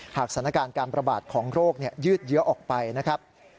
สถานการณ์การประบาดของโรคยืดเยอะออกไปนะครับ